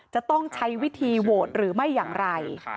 จะต้องใช้วิธีโหวตหรือไม่อย่างไร